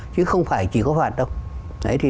chứ không phải chỉ có phạt đâu